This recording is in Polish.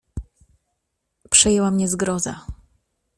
"Przejęła mnie zgroza."